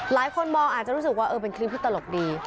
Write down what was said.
หลายคนมองอาจจะรู้สึกว่าเออเป็นคลิปที่ตลกดี